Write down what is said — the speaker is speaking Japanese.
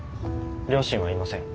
両親はいません。